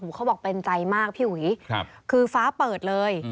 เขาบอกเป็นใจมากพี่อุ๋ยคือฟ้าเปิดเลย